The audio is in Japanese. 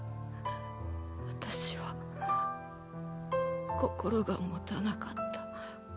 私は心が保たなかった。